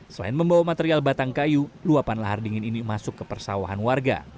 selain membawa material batang kayu luapan lahar dingin ini masuk ke persawahan warga